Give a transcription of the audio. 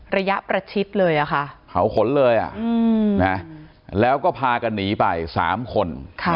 ระยะประชิดเลยอะค่ะเผาขนเลยแล้วก็พากันหนีไป๓คน